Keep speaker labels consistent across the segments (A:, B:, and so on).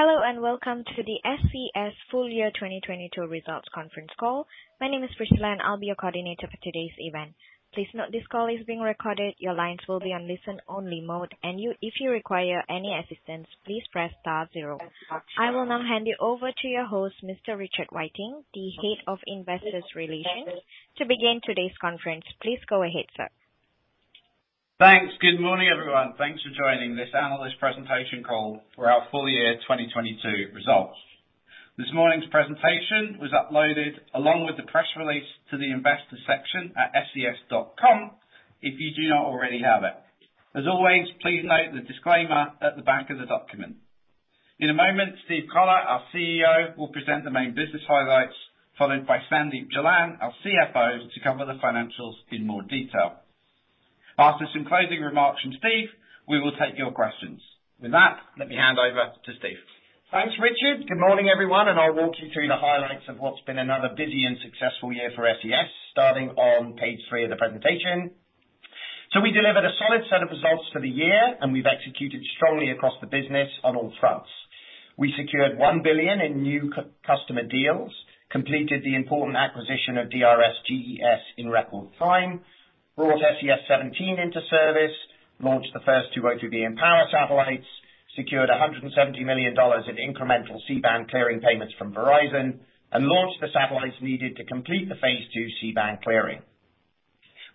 A: Hello, welcome to the SES Full Year 2022 Results Conference Call. My name is Priscilla, I'll be your coordinator for today's event. Please note this call is being recorded. Your lines will be on listen only mode, if you require any assistance, please press star zero. I will now hand you over to your host, Mr. Richard Whiting, the Head of Investor Relations. To begin today's conference, please go ahead, sir.
B: Thanks. Good morning, everyone. Thanks for joining this analyst presentation call for our full year 2022 results. This morning's presentation was uploaded along with the press release to the investors section at SES.com if you do not already have it. As always, please note the disclaimer at the back of the document. In a moment, Steve Collar, our CEO, will present the main business highlights, followed by Sandeep Jalan, our CFO, to cover the financials in more detail. After some closing remarks from Steve, we will take your questions. With that, let me hand over to Steve.
C: Thanks, Richard. Good morning, everyone, I'll walk you through the highlights of what's been another busy and successful year for SES starting on page three of the presentation. We delivered a solid set of results for the year, and we've executed strongly across the business on all fronts. We secured $1 billion in new c-customer deals, completed the important acquisition of DRS GES in record time, brought SES-17 into service, launched the first O3b mPOWER satellites, secured $170 million in incremental C-band clearing payments from Verizon, and launched the satellites needed to complete the Phase 2 C-band clearing.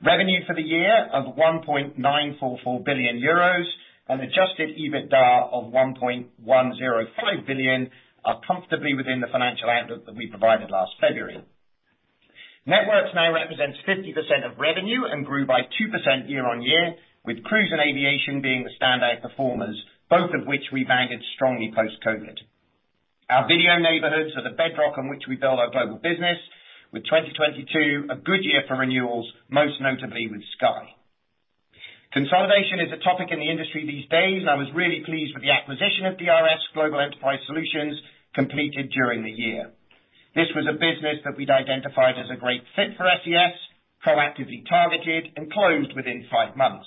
C: Revenue for the year of 1.944 billion euros and adjusted EBITDA of 1.105 billion are comfortably within the financial outlook that we provided last February. Networks now represents 50% of revenue and grew by 2% year-over-year, with cruise and aviation being the standout performers, both of which rebounded strongly post-COVID. Our video neighborhoods are the bedrock on which we build our global business with 2022, a good year for renewals, most notably with Sky. Consolidation is a topic in the industry these days, and I was really pleased with the acquisition of DRS Global Enterprise Solutions completed during the year. This was a business that we'd identified as a great fit for SES, proactively targeted and closed within five months.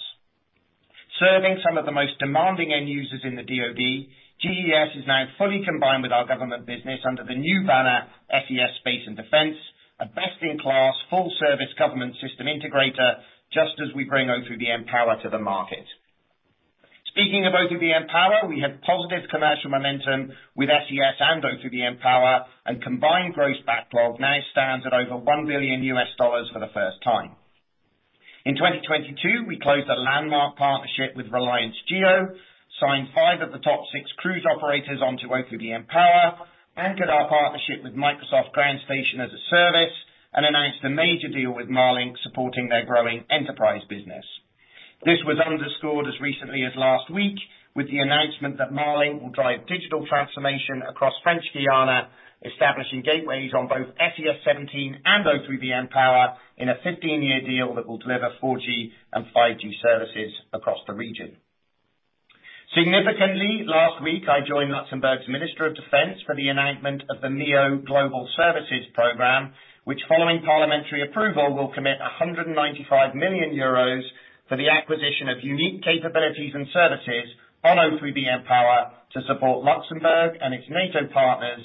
C: Serving some of the most demanding end users in the DoD, GES is now fully combined with our government business under the new banner, SES Space & Defense, a best-in-class full-service government system integrator, just as we bring O3b mPOWER to the market. Speaking of O3b mPOWER, we have positive commercial momentum with SES and O3b mPOWER. Combined gross backlog now stands at over $1 billion for the first time. In 2022, we closed a landmark partnership with Reliance Jio, signed five of the top six cruise operators onto O3b mPOWER, anchored our partnership with Microsoft Ground Station as-a-Service, and announced a major deal with Marlink supporting their growing enterprise business. This was underscored as recently as last week with the announcement that Marlink will drive digital transformation across French Guiana, establishing gateways on both SES-17 and O3b mPOWER in a 15-year deal that will deliver 4G and 5G services across the region. Significantly, last week I joined Luxembourg's Minister of Defense for the enactment of the MEO Global Services program, which following parliamentary approval will commit 195 million euros for the acquisition of unique capabilities and services on O3b mPOWER to support Luxembourg and its NATO partners,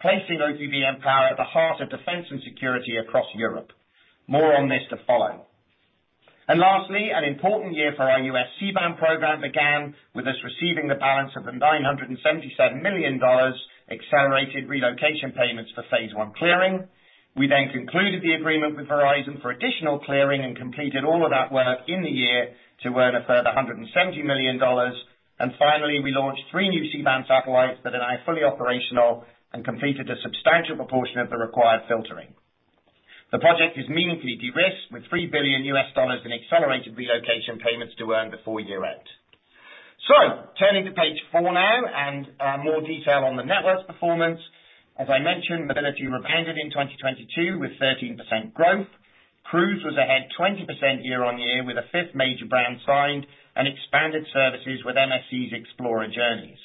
C: placing O3b mPOWER at the heart of defense and security across Europe. More on this to follow. An important year for our US C-band program began with us receiving the balance of the $977 million accelerated relocation payments for phase I clearing. Concluded the agreement with Verizon for additional clearing and completed all of that work in the year to earn a further $170 million. Finally, we launched three new C-band satellites that are now fully operational and completed a substantial proportion of the required filtering. The project is meaningfully de-risked with $3 billion in accelerated relocation payments to earn before year-end. Turning to page four now, more detail on the network's performance. As I mentioned, Mobility rebounded in 2022 with 13% growth. Cruise was ahead 20% year-on-year with a fifth major brand signed and expanded services with MSC's Explora Journeys.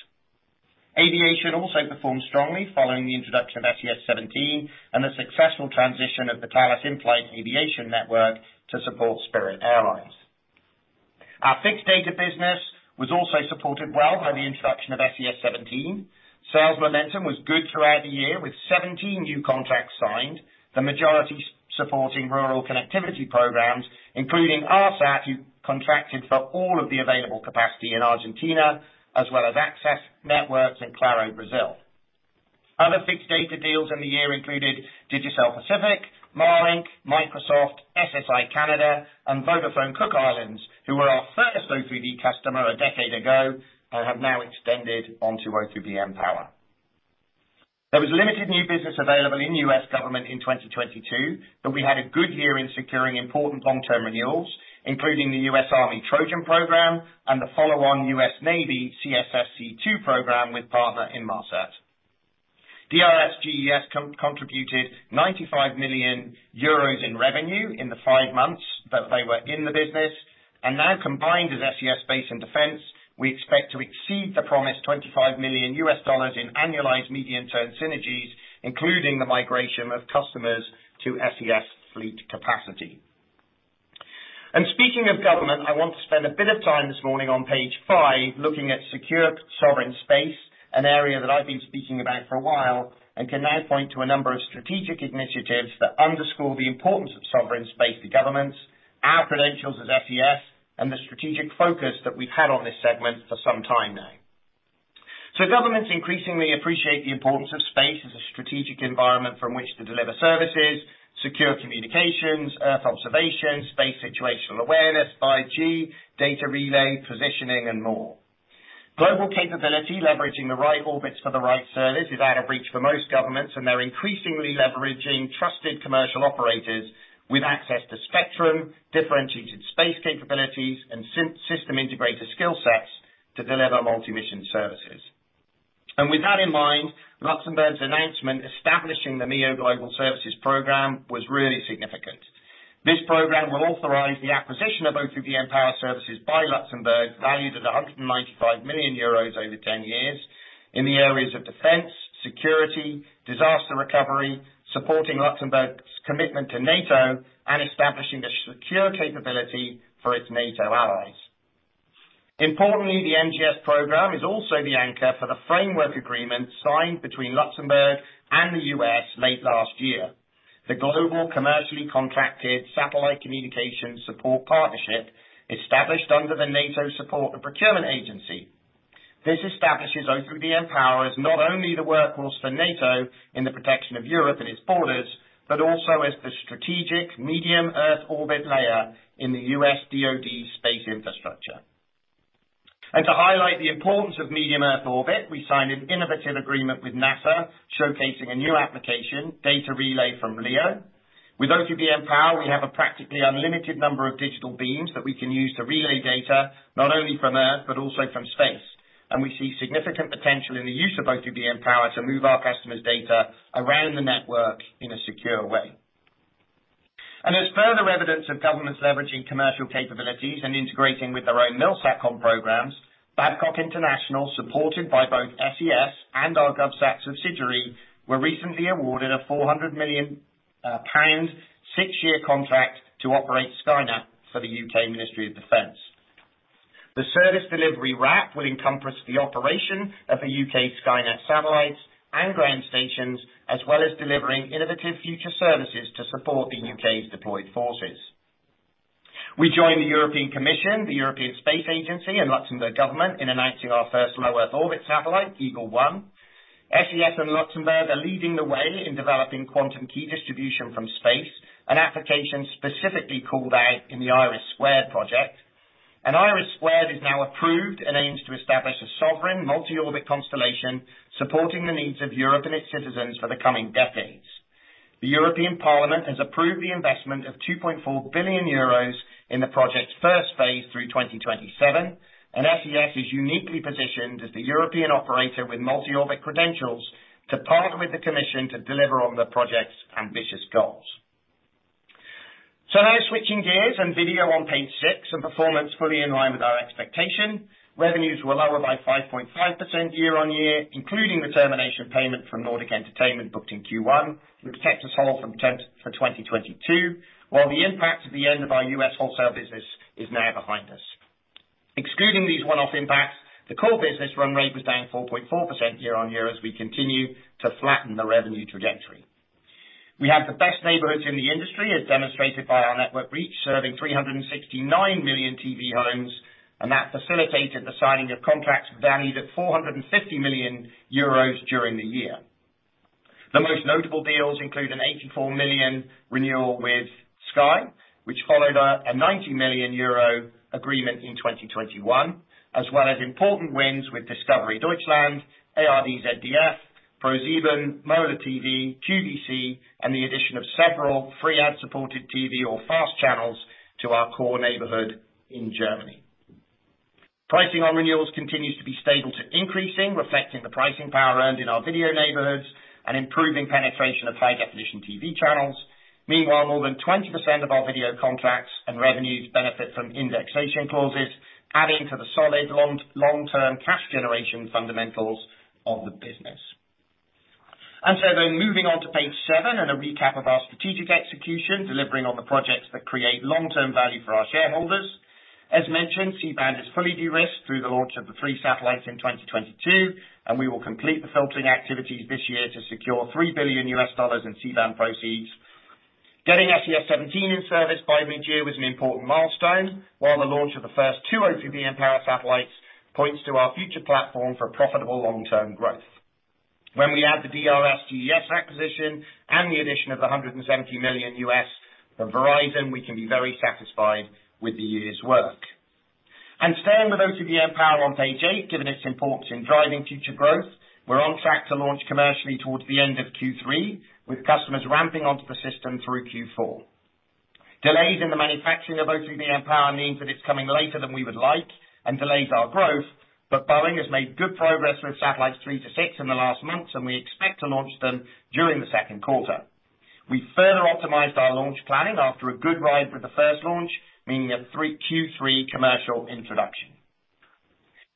C: Aviation also performed strongly following the introduction of SES-17 and the successful transition of the Thales InFlyt aviation network to support Spirit Airlines. Our fixed data business was also supported well by the introduction of SES-17. Sales momentum was good throughout the year with 17 new contracts signed, the majority supporting rural connectivity programs, including ARSAT, who contracted for all of the available capacity in Argentina, as well as Access Networks and Claro Brazil. Other fixed data deals in the year included Digicel Pacific, Marlink, Microsoft, SSi Canada, and Vodafone Cook Islands, who were our first O3b customer a decade ago and have now extended onto O3b mPOWER. There was limited new business available in U.S. government in 2022, but we had a good year in securing important long-term renewals, including the U.S. Army TROJAN program and the follow-on U.S. Navy CSSC II program with partner Inmarsat. DRS GES contributed 95 million euros in revenue in the five months that they were in the business. Now combined as SES Space and Defense, we expect to exceed the promised $25 million in annualized medium-term synergies, including the migration of customers to SES fleet capacity. Speaking of government, I want to spend a bit of time this morning on page five, looking at secure sovereign space, an area that I've been speaking about for a while, and can now point to a number of strategic initiatives that underscore the importance of sovereign space to governments, our credentials as SES, and the strategic focus that we've had on this segment for some time now. Governments increasingly appreciate the importance of space as a strategic environment from which to deliver services, secure communications, earth observation, space situational awareness, IG, data relay, positioning, and more. Global capability, leveraging the right orbits for the right service, is out of reach for most governments, and they're increasingly leveraging trusted commercial operators with access to spectrum, differentiated space capabilities, and system integrator skill sets to deliver multi-mission services. With that in mind, Luxembourg's announcement establishing the MEO Global Services program was really significant. This program will authorize the acquisition of O3b mPOWER services by Luxembourg, valued at 195 million euros over 10 years in the areas of defense, security, disaster recovery, supporting Luxembourg's commitment to NATO, and establishing a secure capability for its NATO allies. Importantly, the NGS program is also the anchor for the framework agreement signed between Luxembourg and the U.S. late last year. The global commercially contracted satellite communications support partnership established under the NATO Support and Procurement Agency. This establishes O3b mPOWER as not only the workhorse for NATO in the protection of Europe and its borders, but also as the strategic medium Earth orbit layer in the US DoD's space infrastructure. To highlight the importance of medium Earth orbit, we signed an innovative agreement with NASA, showcasing a new application, data relay from LEO. With O3b mPOWER, we have a practically unlimited number of digital beams that we can use to relay data, not only from Earth, but also from space. We see significant potential in the use of O3b mPOWER to move our customers' data around the network in a secure way. As further evidence of governments leveraging commercial capabilities and integrating with their own MILSATCOM programs, Babcock International, supported by both SES and our GovSat subsidiary, were recently awarded a 400 million pound six-year contract to operate Skynet for the UK Ministry of Defense. The service delivery wrap will encompass the operation of the UK Skynet satellites and ground stations, as well as delivering innovative future services to support the UK's deployed forces. We joined the European Commission, the European Space Agency and Luxembourg government in announcing our first low-Earth orbit satellite, Eagle-1. SES and Luxembourg are leading the way in developing Quantum Key Distribution from space, an application specifically called out in the Iris² project. Iris² is now approved and aims to establish a sovereign multi-orbit constellation, supporting the needs of Europe and its citizens for the coming decades. The European Parliament has approved the investment of 2.4 billion euros in the project's first phase through 2027. SES is uniquely positioned as the European operator with multi-orbit credentials to partner with the Commission to deliver on the project's ambitious goals. Now switching gears and video on page six. A performance fully in line with our expectation. Revenues were lower by 5.5% year-on-year, including the termination payment from Nordic Entertainment booked in Q1, which protects us whole from 2022, while the impact of the end of our U.S. wholesale business is now behind us. Excluding these one-off impacts, the core business run rate was down 4.4% year-on-year as we continue to flatten the revenue trajectory. We have the best neighborhoods in the industry, as demonstrated by our network reach, serving 369 million TV homes, and that facilitated the signing of contracts valued at 450 million euros during the year. The most notable deals include an 84 million renewal with Sky, which followed a 90 million euro agreement in 2021, as well as important wins with Discovery Deutschland, ARD ZDF, ProSieben, MobileTV, QVC, and the addition of several free ad-supported TV or FAST channels to our core neighborhood in Germany. Pricing on renewals continues to be stable to increasing, reflecting the pricing power earned in our video neighborhoods and improving penetration of high-definition TV channels. Meanwhile, more than 20% of our video contracts and revenues benefit from indexation clauses, adding to the solid long-term cash generation fundamentals of the business. Moving on to page seven and a recap of our strategic execution, delivering on the projects that create long-term value for our shareholders. As mentioned, C-band is fully de-risked through the launch of the three satellites in 2022, and we will complete the filtering activities this year to secure $3 billion in C-band proceeds. Getting SES-17 in service by mid-year was an important milestone, while the launch of the first two O3b mPOWER satellites points to our future platform for profitable long-term growth. When we add the DRS GES acquisition and the addition of the $170 million from Verizon, we can be very satisfied with the year's work. Staying with O3b mPOWER on page eight, given its importance in driving future growth, we're on track to launch commercially towards the end of Q3, with customers ramping onto the system through Q4. Delays in the manufacturing of O3b mPOWER mean that it's coming later than we would like and delays our growth. Boeing has made good progress with satellites 3 to 6 in the last months, and we expect to launch them during the second quarter. We further optimized our launch planning after a good ride with the first launch, meaning Q3 commercial introduction.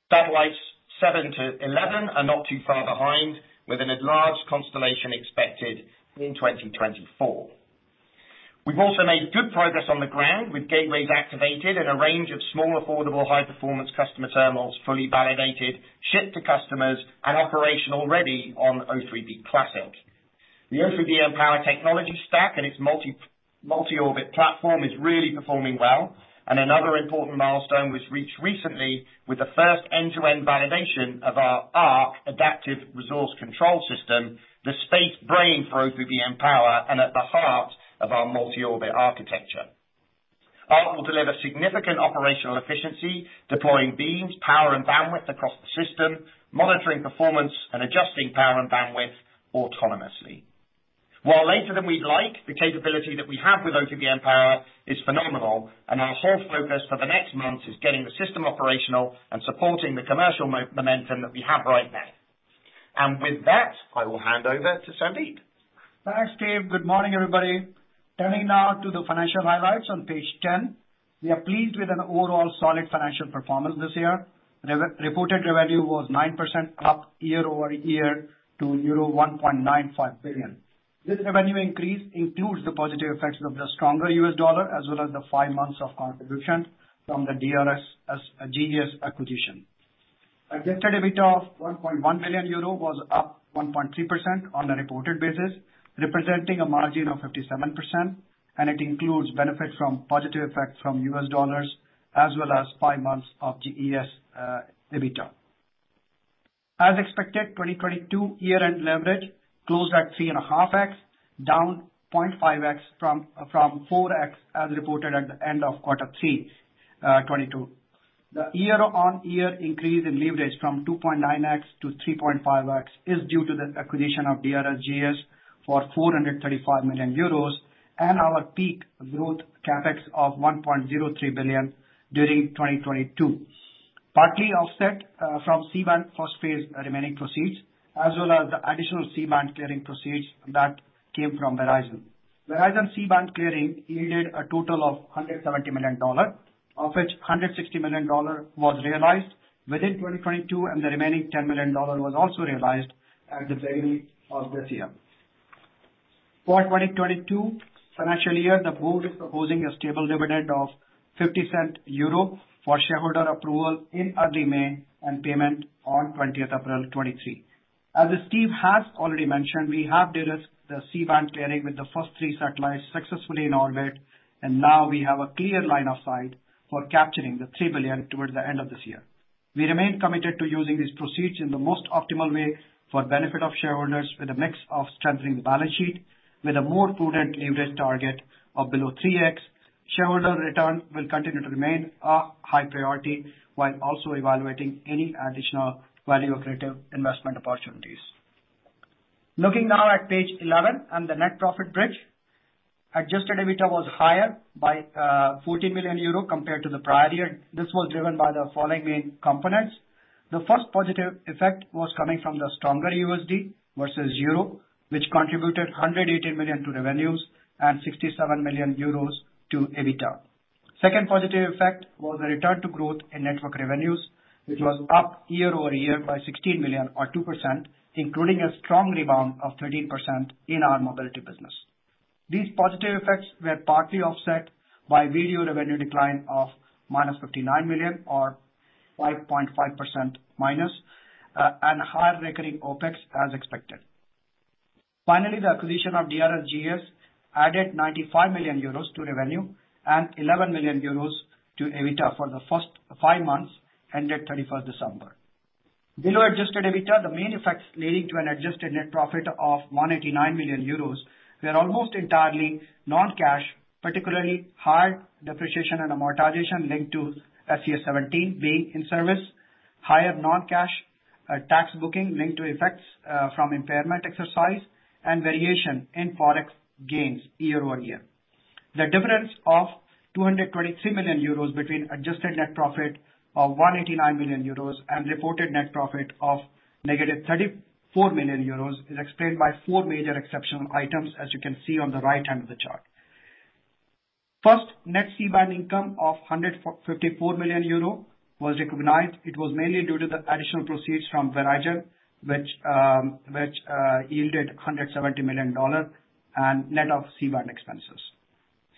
C: Satellites 7 to 11 are not too far behind, with an at-large constellation expected in 2024. We've also made good progress on the ground, with gateways activated and a range of small, affordable, high-performance customer terminals fully validated, shipped to customers and operational already on O3b Classic. The O3b mPOWER technology stack and its multi-orbit platform is really performing well, and another important milestone was reached recently with the first end-to-end validation of our ARC Adaptive Resource Control system, the space brain for O3b mPOWER, and at the heart of our multi-orbit architecture. ARC will deliver significant operational efficiency, deploying beams, power and bandwidth across the system, monitoring performance and adjusting power and bandwidth autonomously. While later than we'd like, the capability that we have with O3b mPOWER is phenomenal, and our whole focus for the next months is getting the system operational and supporting the commercial momentum that we have right now. With that, I will hand over to Sandeep.
D: Thanks, Steve. Good morning, everybody. Turning now to the financial highlights on page 10. We are pleased with an overall solid financial performance this year. Re-reported revenue was 9% up year-over-year to euro 1.95 billion. This revenue increase includes the positive effects of the stronger US dollar as well as the five months of contribution from the DRS GES acquisition. Adjusted EBITDA of 1.1 billion euro was up 1.3% on a reported basis, representing a margin of 57%, and it includes benefits from positive effects from US dollars as well as five months of GES EBITDA. As expected, 2022 year-end leverage closed at 3.5x, down 0.5x from 4x as reported at the end of Q3 2022. The year-on-year increase in leverage from 2.9x to 3.5x is due to the acquisition of DRS GES for 435 million euros and our peak growth CapEx of 1.03 billion during 2022. Partly offset from C-band first phase remaining proceeds, as well as the additional C-band clearing proceeds that came from Verizon. Verizon C-band clearing yielded a total of $170 million, of which $160 million was realized within 2022, and the remaining $10 million was also realized at the beginning of this year. For 2022 financial year, the board is proposing a stable dividend of 0.50 for shareholder approval in early May and payment on 20th April 2023. As Steve has already mentioned, we have de-risked the C-band clearing with the first three satellites successfully in orbit, now we have a clear line of sight for capturing the 3 billion towards the end of this year. We remain committed to using these proceeds in the most optimal way for benefit of shareholders with a mix of strengthening the balance sheet with a more prudent leverage target of below 3x. Shareholder return will continue to remain a high priority while also evaluating any additional value-accretive investment opportunities. Looking now at page 11 and the net profit bridge. Adjusted EBITDA was higher by 14 million euro compared to the prior year. This was driven by the following main components. The first positive effect was coming from the stronger USD versus EUR, which contributed $118 million to revenues and 67 million euros to EBITDA. Second positive effect was the return to growth in network revenues, which was up year-over-year by 16 million or 2%, including a strong rebound of 13% in our mobility business. These positive effects were partly offset by video revenue decline of -59 million or -5.5%, and higher recurring OpEx as expected. The acquisition of DRS GES added 95 million euros to revenue and 11 million euros to EBITDA for the first five months ended 31st December. Below adjusted EBITDA, the main effects leading to an adjusted net profit of 189 million euros were almost entirely non-cash, particularly high depreciation and amortization linked to SES-17 being in service, higher non-cash tax booking linked to effects from impairment exercise and variation in Forex gains year-over-year. The difference of 223 million euros between adjusted net profit of 189 million euros and reported net profit of negative 34 million euros is explained by four major exceptional items, as you can see on the right hand of the chart. First, net C-band income of 154 million euro was recognized. It was mainly due to the additional proceeds from Verizon, which yielded $170 million and net of C-band expenses.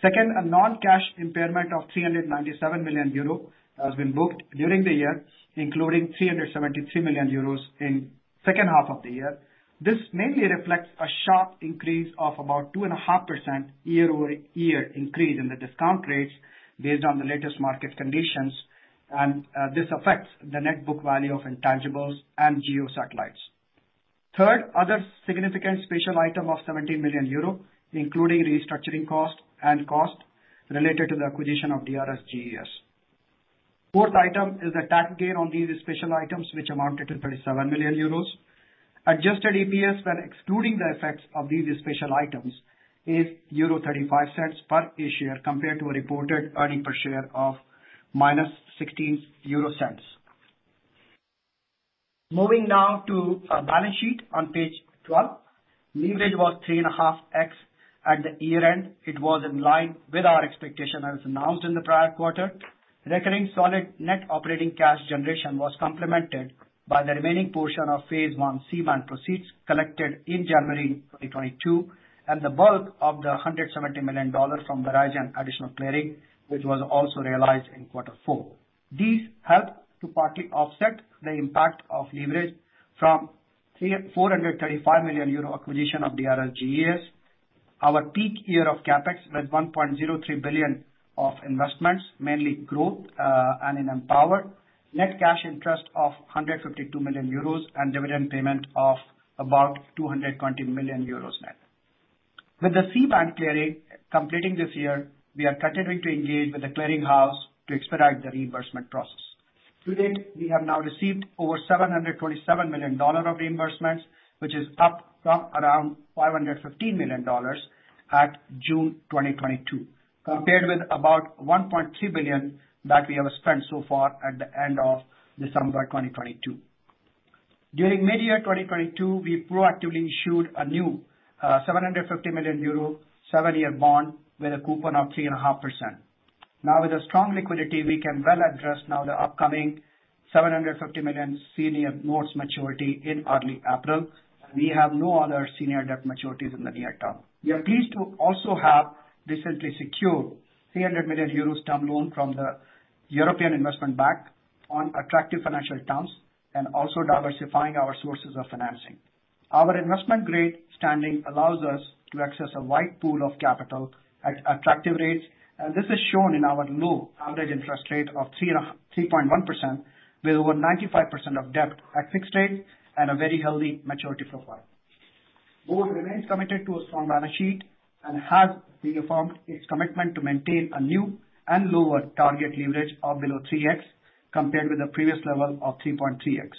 D: Second, a non-cash impairment of 397 million euro has been booked during the year, including 373 million euros in second half of the year. This mainly reflects a sharp increase of about 2.5% year-over-year increase in the discount rates based on the latest market conditions. This affects the net book value of intangibles and GEO satellites. Third, other significant special item of 17 million euro, including restructuring costs and costs related to the acquisition of DRS GES. Fourth item is the tax gain on these special items, which amounted to 27 million euros. Adjusted EPS when excluding the effects of these special items is 0.35 per a share compared to a reported earning per share of minus 0.16. Moving now to our balance sheet on page 12. Leverage was 3.5x at the year-end. It was in line with our expectation, as announced in the prior quarter. Recurring solid net operating cash generation was complemented by the remaining portion of phase one C-band proceeds collected in January 2022, and the bulk of the $170 million from Verizon additional clearing, which was also realized in quarter four. These helped to partly offset the impact of leverage from 435 million euro acquisition of DRS GES. Our peak year of CapEx was 1.03 billion of investments, mainly growth, and in O3b mPOWER. Net cash interest of 152 million euros and dividend payment of about 220 million euros net. With the C-band clearing completing this year, we are continuing to engage with the clearing house to expedite the reimbursement process. To date, we have now received over $727 million of reimbursements, which is up from around $515 million at June 2022, compared with about $1.3 billion that we have spent so far at the end of December 2022. During midyear 2022, we proactively issued a new 750 million euro, 7-year bond with a coupon of 3.5%. With a strong liquidity, we can well address now the upcoming 750 million senior notes maturity in early April, and we have no other senior debt maturities in the near term. We are pleased to also have recently secured 300 million euros term loan from the European Investment Bank on attractive financial terms and also diversifying our sources of financing. Our investment-grade standing allows us to access a wide pool of capital at attractive rates, and this is shown in our low average interest rate of 3.1%, with over 95% of debt at fixed rate and a very healthy maturity profile. Board remains committed to a strong balance sheet and has reaffirmed its commitment to maintain a new and lower target leverage of below 3x, compared with the previous level of 3.3x.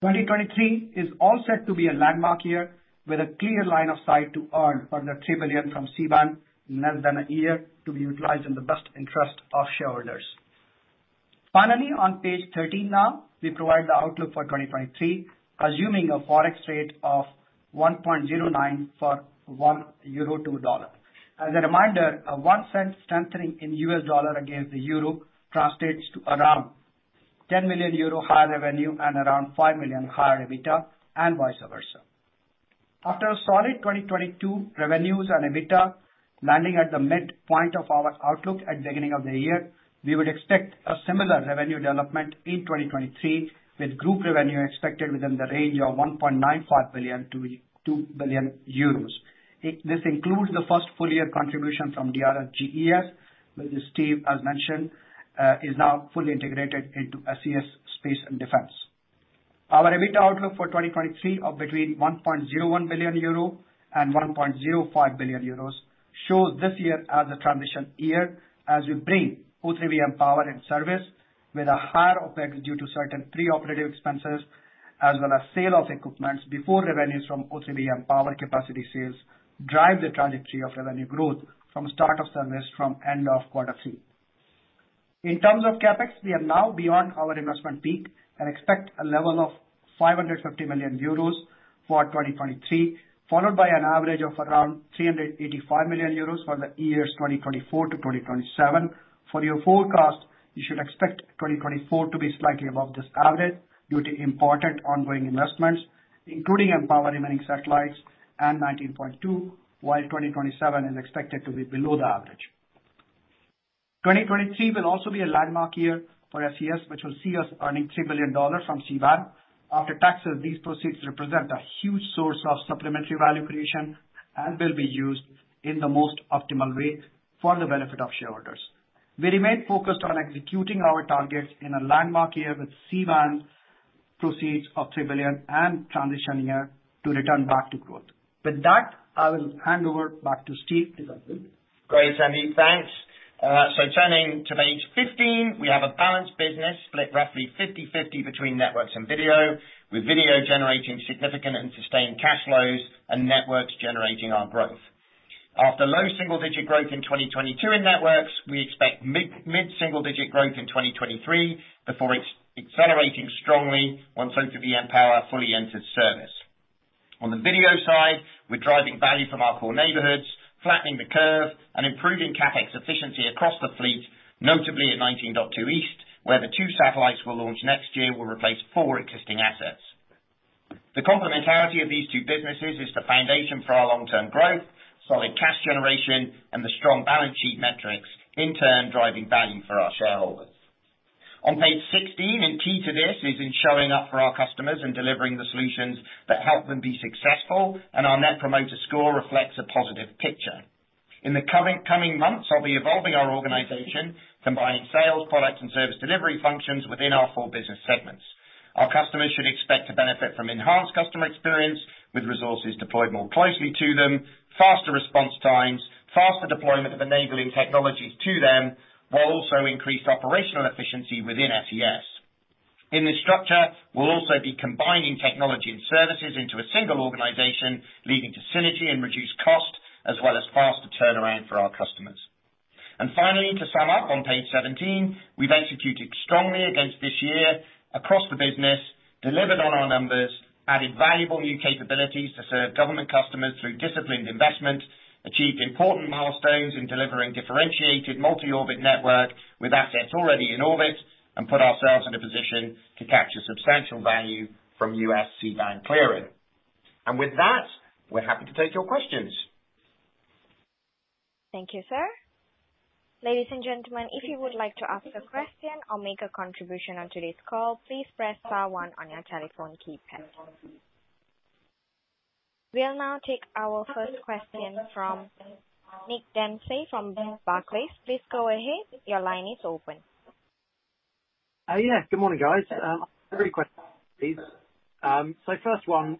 D: 2023 is all set to be a landmark year with a clear line of sight to earn further 3 billion from C-band in less than a year to be utilized in the best interest of shareholders. On page 13 now, we provide the outlook for 2023, assuming a Forex rate of 1.09 for 1 euro to USD. As a reminder, a one cent strengthening in U.S. dollar against the EUR translates to around 10 million euro higher revenue and around 5 million higher EBITDA, and vice versa. After a solid 2022 revenues and EBITDA landing at the midpoint of our outlook at the beginning of the year, we would expect a similar revenue development in 2023, with group revenue expected within the range of 1.95 billion-2 billion euros. This includes the first full year contribution from DRS GES. With this, Steve, as mentioned, is now fully integrated into SES Space & Defense. Our EBITDA outlook for 2023 of between 1.01 billion euro and 1.05 billion euros shows this year as a transition year as we bring O3b mPOWER in service with a higher OpEx due to certain pre-operative expenses as well as sale of equipments before revenues from O3b mPOWER capacity sales drive the trajectory of revenue growth from start of service from end of Q3. In terms of CapEx, we are now beyond our investment peak and expect a level of 550 million euros for 2023, followed by an average of around 385 million euros for the years 2024 to 2027. For your forecast, you should expect 2024 to be slightly above this average due to important ongoing investments, including O3b mPOWER remaining satellites and 19.2, while 2027 is expected to be below the average. 2023 will also be a landmark year for SES, which will see us earning $3 billion from C-band. After taxes, these proceeds represent a huge source of supplementary value creation and will be used in the most optimal way for the benefit of shareholders. We remain focused on executing our targets in a landmark year with C-band proceeds of $3 billion and transition year to return back to growth. I will hand over back to Steve. Over to you.
C: Great, Sandeep. Thanks. Turning to page 15, we have a balanced business split roughly 50/50 between networks and video, with video generating significant and sustained cash flows and networks generating our growth. After low single-digit growth in 2022 in networks, we expect mid single-digit growth in 2023 before accelerating strongly once O3b mPOWER fully enters service. On the video side, we're driving value from our core neighborhoods, flattening the curve and improving CapEx efficiency across the fleet, notably at 19.2 East, where the two satellites we'll launch next year will replace four existing assets. The complementarity of these two businesses is the foundation for our long-term growth, solid cash generation and the strong balance sheet metrics, in turn driving value for our shareholders. On page 16, key to this is in showing up for our customers and delivering the solutions that help them be successful. Our Net Promoter Score reflects a positive picture. In the coming months, I'll be evolving our organization, combining sales, product and service delivery functions within our four business segments. Our customers should expect to benefit from enhanced customer experience with resources deployed more closely to them, faster response times, faster deployment of enabling technologies to them, while also increased operational efficiency within SES. In this structure, we'll also be combining technology and services into a single organization, leading to synergy and reduced cost as well as faster turnaround for our customers. Finally, to sum up on page 17, we've executed strongly against this year across the business, delivered on our numbers, added valuable new capabilities to serve government customers through disciplined investment, achieved important milestones in delivering differentiated multi-orbit network with assets already in orbit, and put ourselves in a position to capture substantial value from U.S. C-band clearing. With that, we're happy to take your questions.
A: Thank you, sir. Ladies and gentlemen, if you would like to ask a question or make a contribution on today's call, please press star one on your telephone keypad. We'll now take our first question from Nick Dempsey from Barclays. Please go ahead. Your line is open.
E: Good morning, guys. three questions, please. First, when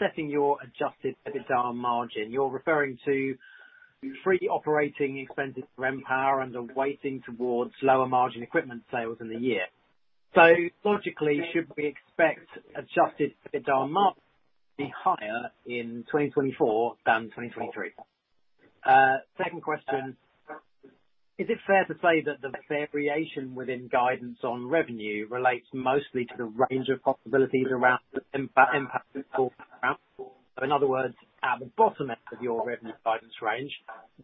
E: setting your adjusted EBITDA margin, you're referring to free operating expenses for mPOWER and are weighting towards lower margin equipment sales in the year. Logically, should we expect adjusted EBITDA margin to be higher in 2024 than 2023? Second question, is it fair to say that the variation within guidance on revenue relates mostly to the range of possibilities around the impact of? In other words, at the bottom end of your revenue guidance range,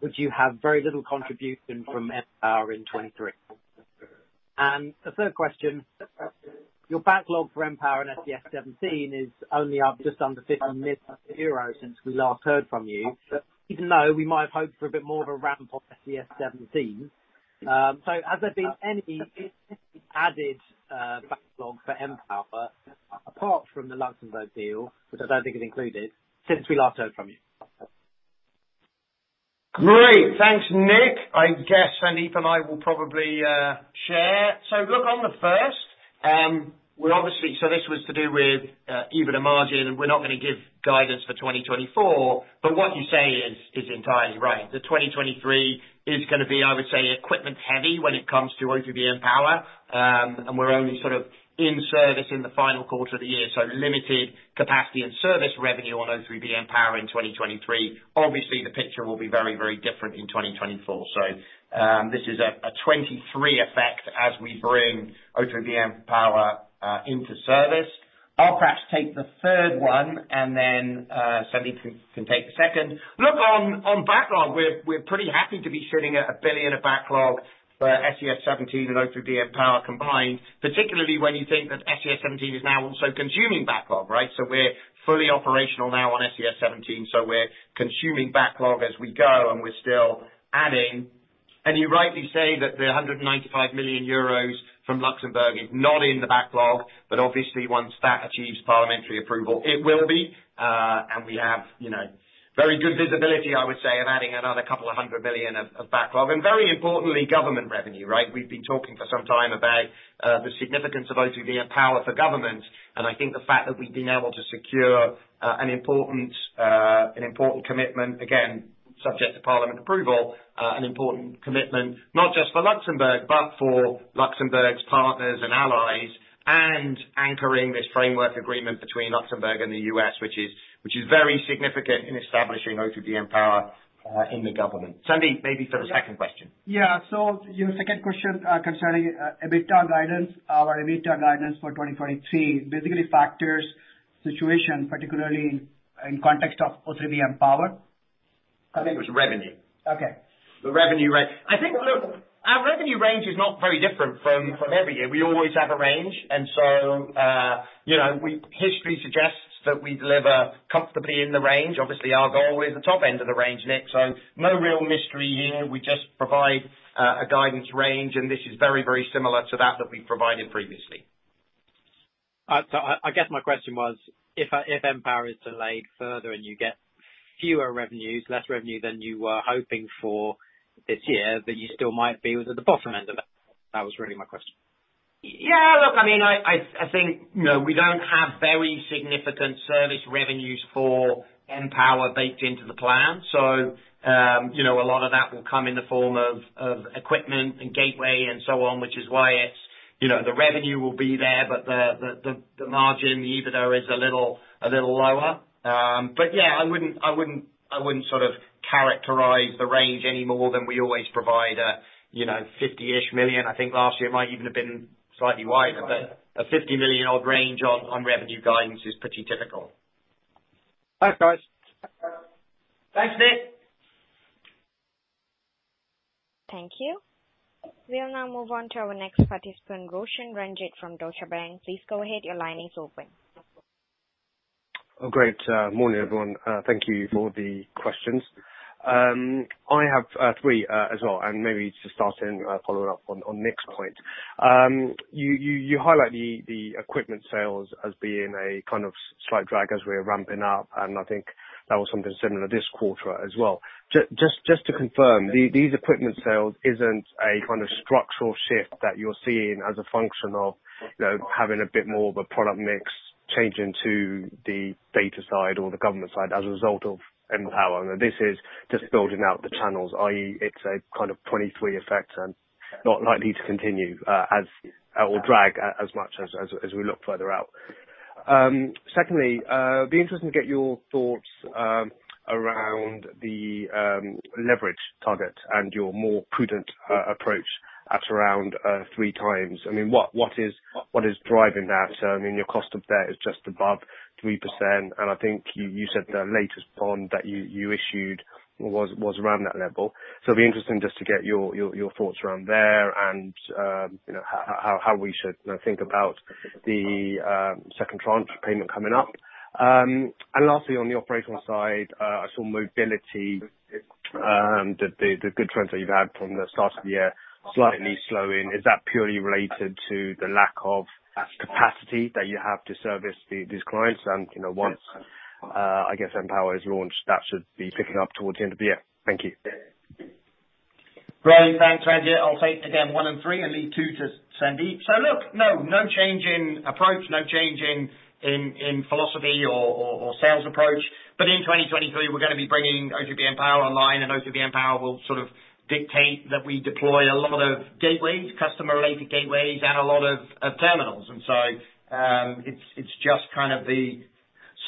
E: would you have very little contribution from mPOWER in 2023? Third question, your backlog for mPOWER and SES-17 is only up just under 50 million euros since we last heard from you, even though we might have hoped for a bit more of a ramp on SES-17. Has there been any added backlog for mPOWER apart from the Luxembourg deal, which I don't think is included, since we last heard from you?
C: Great. Thanks, Nick. I guess Sandeep and I will probably share. Look on the first, this was to do with EBITDA margin. We're not gonna give guidance for 2024, what you say is entirely right. The 2023 is gonna be, I would say, equipment heavy when it comes to O3b mPOWER. We're only sort of in service in the final quarter of the year. Limited capacity and service revenue on O3b mPOWER in 2023. Obviously, the picture will be very, very different in 2024. This is a 2023 effect as we bring O3b mPOWER into service. I'll perhaps take the third one. Sandeep can take the second. Look, on backlog, we're pretty happy to be sitting at 1 billion of backlog for SES-17 and O3b mPOWER combined, particularly when you think that SES-17 is now also consuming backlog, right? We're fully operational now on SES-17, so we're consuming backlog as we go, and we're still adding. You rightly say that the 195 million euros from Luxembourg is not in the backlog, but obviously once that achieves parliamentary approval, it will be, and we have, you know, very good visibility, I would say, of adding another couple of hundred million EUR of backlog, and very importantly, government revenue, right? We've been talking for some time about the significance of O3b mPOWER for government. I think the fact that we've been able to secure an important, an important commitment, again, subject to parliament approval, an important commitment not just for Luxembourg, but for Luxembourg's partners and allies, and anchoring this framework agreement between Luxembourg and the U.S., which is very significant in establishing O3b mPOWER in the government. Sandeep, maybe for the second question.
D: Yeah. Your second question concerning EBITDA guidance. Our EBITDA guidance for 2023 basically factors situation, particularly in context of O3b mPOWER.
C: I think it was revenue.
D: Okay.
C: The revenue range.
D: I think, look, our revenue range is not very different from every year. We always have a range. you know, history suggests that we deliver comfortably in the range. Obviously, our goal is the top end of the range, Nick, so no real mystery here. We just provide a guidance range, and this is very, very similar to that we've provided previously.
E: I guess my question was if mPOWER is delayed further and you get fewer revenues, less revenue than you were hoping for this year, then you still might be at the bottom end of it. That was really my question.
C: Yeah. Look, I mean, I think, you know, we don't have very significant service revenues for mPOWER baked into the plan. You know, a lot of that will come in the form of equipment and gateway and so on, which is why it's, you know, the revenue will be there, but the margin, the EBITDA is a little lower. Yeah, I wouldn't sort of characterize the range any more than we always provide a, you know, 50 million. I think last year it might even have been slightly wider, but a 50 million odd range on revenue guidance is pretty typical.
E: Thanks, guys.
C: Thanks, Nick.
A: Thank you. We'll now move on to our next participant, Roshan Ranjit from Deutsche Bank. Please go ahead. Your line is open.
F: Oh, great. Morning, everyone. Thank you for the questions. I have three as well, and maybe to start in following up on Nick's point. You highlight the equipment sales as being a kind of slight drag as we're ramping up, and I think that was something similar this quarter as well. Just to confirm, these equipment sales isn't a kind of structural shift that you're seeing as a function of, you know, having a bit more of a product mix changing to the data side or the government side as a result of mPOWER. This is just building out the channels, i.e., it's a kind of 2023 effect and not likely to continue, as much as we look further out. Secondly, be interesting to get your thoughts around the leverage target and your more prudent approach at around 3x. I mean, what is driving that? I mean, your cost of debt is just above 3%, and I think you said the latest bond that you issued was around that level. It'd be interesting just to get your thoughts around there and, you know, how we should think about the second tranche payment coming up. Lastly, on the operational side, I saw mobility, the good trends that you've had from the start of the year slightly slowing. Is that purely related to the lack of capacity that you have to service these clients? Once mPOWER is launched, that should be picking up towards the end of the year. Thank you.
C: Right. Thanks, Ranjit. I'll take again one and three and leave two to Sandeep. Look, no change in approach, no change in philosophy or sales approach. In 2023, we're gonna be bringing O3b mPOWER online and O3b mPOWER will sort of dictate that we deploy a lot of gateways, customer-related gateways and a lot of terminals. It's just kind of the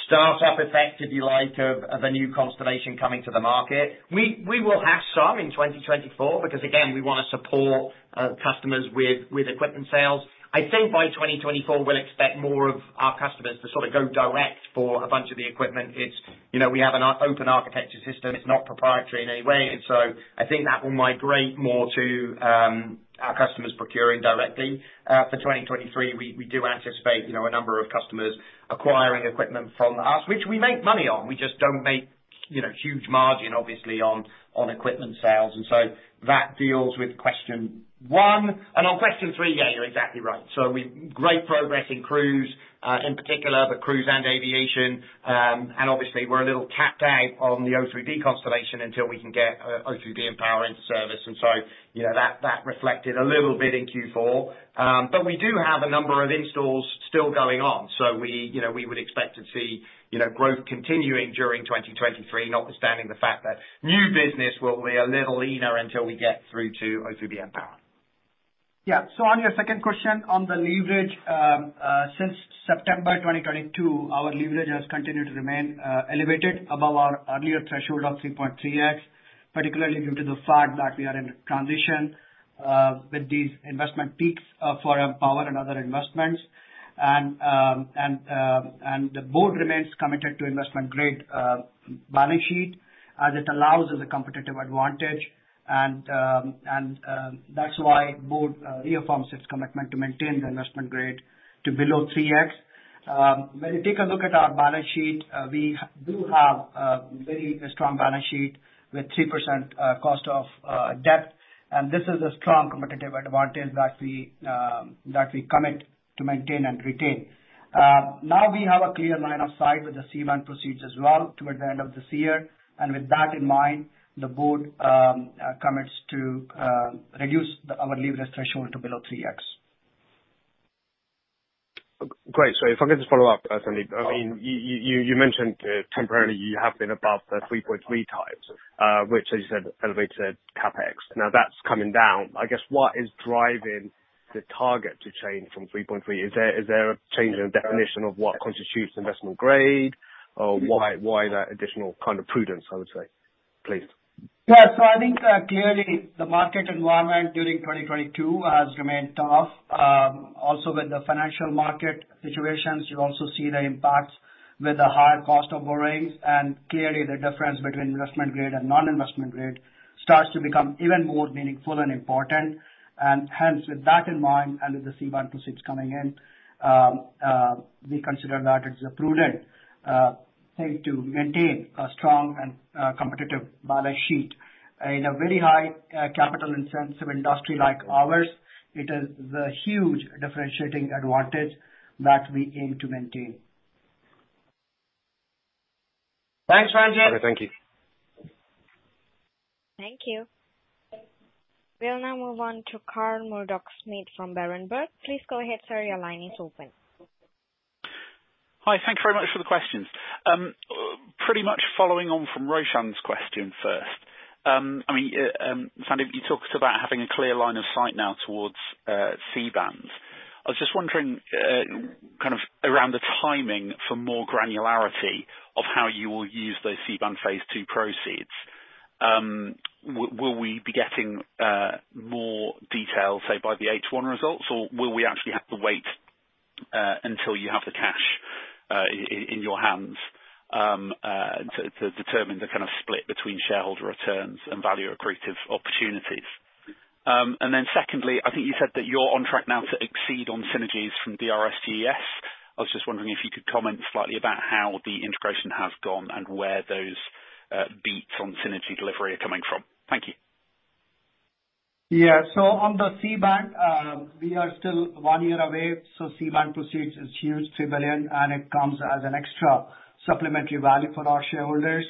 C: startup effect, if you like, of a new constellation coming to the market. We will have some in 2024 because again, we wanna support customers with equipment sales. I think by 2024 we'll expect more of our customers to sort of go direct for a bunch of the equipment. It's, you know, we have an open architecture system. It's not proprietary in any way. I think that will migrate more to our customers procuring directly. For 2023, we do anticipate, you know, a number of customers acquiring equipment from us, which we make money on. We just don't make, you know, huge margin obviously on equipment sales. That deals with question one. On question three, yeah, you're exactly right. We've great progress in cruise, in particular, the cruise and aviation. Obviously we're a little capped out on the O3b constellation until we can get O3b mPOWER into service. You know, that reflected a little bit in Q4. But we do have a number of installs still going on. We, you know, we would expect to see, you know, growth continuing during 2023, notwithstanding the fact that new business will be a little leaner until we get through to O3b mPOWER.
D: On your second question on the leverage, since September 2022, our leverage has continued to remain elevated above our earlier threshold of 3.3x, particularly due to the fact that we are in transition with these investment peaks for O3b mPOWER and other investments. The Board remains committed to investment-grade balance sheet as it allows us a competitive advantage. That's why Board reaffirms its commitment to maintain the investment grade to below 3x. When you take a look at our balance sheet, we do have a very strong balance sheet with 3% cost of debt. This is a strong competitive advantage that we commit to maintain and retain. now we have a clear line of sight with the C-band proceeds as well toward the end of this year. With that in mind, the board commits to reduce our leverage threshold to below 3x.
F: Great. If I could just follow up, Sandeep. I mean, you mentioned, temporarily you have been above the 3.3 times, which as you said, elevated CapEx. Now that's coming down. I guess what is driving the target to change from 3.3? Is there a change in definition of what constitutes investment-grade? Or why that additional kind of prudence, I would say, please?
D: Yeah. I think, clearly the market environment during 2022 has remained tough. Also with the financial market situations, you also see the impacts with the higher cost of borrowing, and clearly the difference between investment grade and non-investment grade starts to become even more meaningful and important. Hence with that in mind and with the C-band proceeds coming in, we consider that it's a prudent thing to maintain a strong and competitive balance sheet. In a very high, capital intensive industry like ours, it is the huge differentiating advantage that we aim to maintain.
C: Thanks, Ranjit.
F: All right, thank you.
A: Thank you. We'll now move on to Carl Murdock-Smith from Berenberg. Please go ahead, sir. Your line is open.
G: Hi. Thank you very much for the questions. Pretty much following on from Roshan's question first. I mean, Sandeep, you talked about having a clear line of sight now towards C-band. I was just wondering kind of around the timing for more granularity of how you will use those C-band phase 2 proceeds. Will we be getting more detail, say by the H1 results, or will we actually have to wait until you have the cash in your hands to determine the kind of split between shareholder returns and value accretive opportunities? Secondly, I think you said that you're on track now to exceed on synergies from DRS GES. I was just wondering if you could comment slightly about how the integration has gone and where those beats on synergy delivery are coming from. Thank you.
D: On the C-band, we are still one year away, C-band proceeds is huge, $3 billion, and it comes as an extra supplementary value for our shareholders.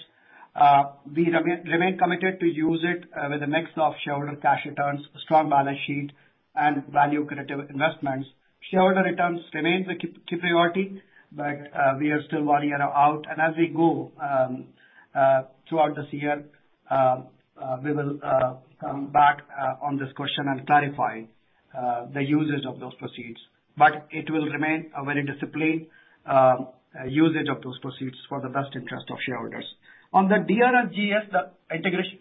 D: We remain committed to use it with a mix of shareholder cash returns, strong balance sheet and value creative investments. Shareholder returns remains the priority, but we are still one year out. As we go throughout this year, we will come back on this question and clarify the usage of those proceeds. It will remain a very disciplined usage of those proceeds for the best interest of shareholders. On the DRS GES, the integration.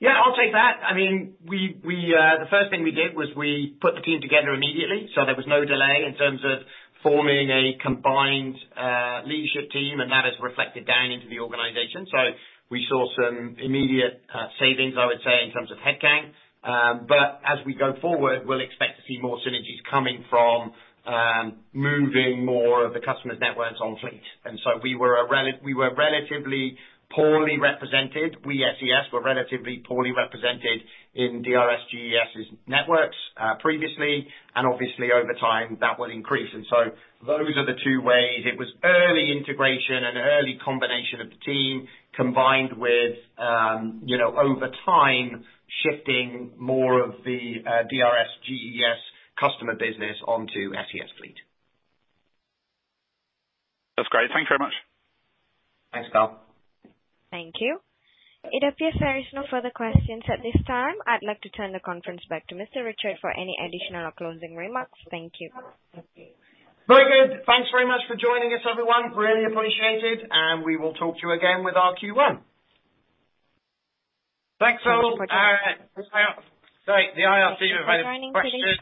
C: Yeah, I'll take that. I mean, we the first thing we did was we put the team together immediately, so there was no delay in terms of forming a combined leadership team, and that has reflected down into the organization. We saw some immediate savings, I would say, in terms of headcount. As we go forward, we'll expect to see more synergies coming from moving more of the customer's networks on fleet. We were relatively poorly represented. We at SES were relatively poorly represented in DRS GES's networks previously, and obviously over time that will increase. Those are the two ways. It was early integration and early combination of the team combined with, you know, over time, shifting more of the DRS GES customer business onto SES fleet.
G: That's great. Thank you very much.
C: Thanks, Carl.
A: Thank you. It appears there is no further questions at this time. I'd like to turn the conference back to Mr. Richard for any additional closing remarks. Thank you.
C: Very good. Thanks very much for joining us, everyone. Really appreciated. We will talk to you again with our Q1. Thanks all. Sorry, the IR team have any questions?